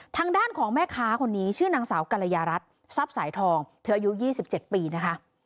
ทางด้านของแม่ค้าคนนี้ชื่อนางสาวกรยารัฐทรัพย์สายทองเธออายุ๒๗ปีนะคะ